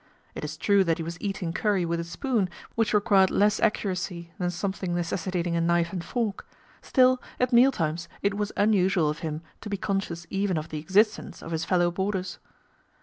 It is true that he was eating curry with a spoon, which required less accuracy than something necessitating a knife and fork ; still at meal times it was unusual of him to be conscious even of the existence of his fellow boarders.